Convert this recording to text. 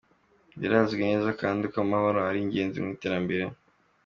Birazwi neza kandi ko amahoro ari ingenzi mu iterambere.